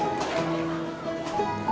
kamu kenapa sih